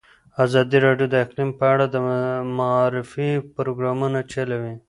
ازادي راډیو د اقلیم په اړه د معارفې پروګرامونه چلولي.